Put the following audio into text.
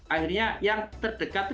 akhirnya yang terdekat